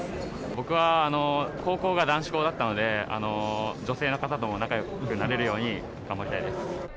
僕は高校が男子校だったので、女性の方とも仲よくなれるように頑張りたいです。